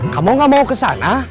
kamu gak mau ke sana